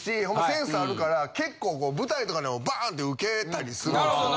センスあるから結構舞台とかでもバーン！ってウケたりするんですよ。